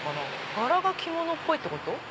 柄が着物っぽいってこと？